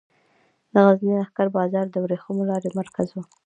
د غزني لښکر بازار د ورېښمو لارې مرکز و